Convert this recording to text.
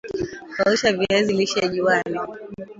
kausha viazi lishe juani